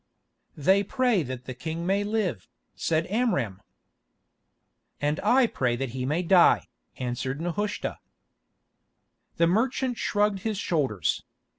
"They pray that the king may live," said Amram. "And I pray that he may die," answered Nehushta. The merchant shrugged his shoulders.